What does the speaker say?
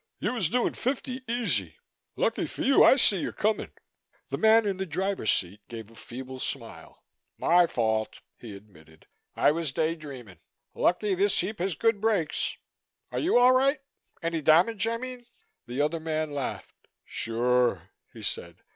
"You was doing fifty easy. Lucky for you I see you coming." The man in the driver's seat gave a feeble smile. "My fault," he admitted. "I was day dreaming. Lucky this heap has good brakes. Are you all right? Any damage, I mean?" The other man laughed. "Sure," he said.